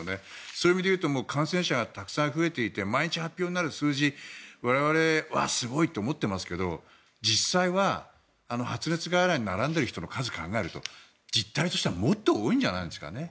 そういう意味で言うと感染者がたくさん増えていて毎日発表になる数字我々、わっ、すごいって思ってますけど実際は発熱外来に並んでいる人の数を考えると実態としてはもっと多いんじゃないですかね。